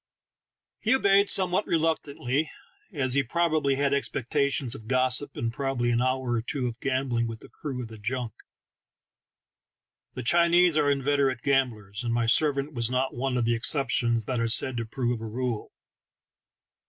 He obeyed somewhat reluctantly, as he probably had expectations of gossip, and probably an hour or two of gambling with the crew of the junk: the Chinese are inveterate gam blers, and my servant was not one of the excep tions that are said to prove a rule.